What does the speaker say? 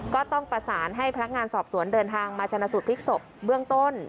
ก็ต้องประสานให้พนักงานสอบสวนเดินทางมาชนะสูตรพลิกศพเบื้องต้น